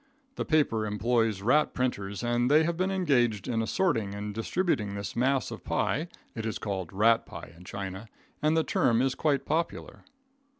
The paper employs rat printers, and as they have been engaged in assorting and distributing this mass of pi, it is called rat pi in China, and the term is quite popular.